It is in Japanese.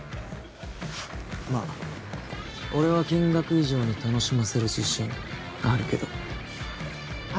ふっまあ俺は金額以上に楽しませる自信あるけどふっ。